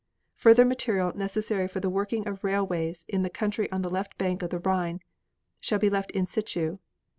Further material necessary for the working of railways in the country on the left bank of the Rhine shall be left in situ.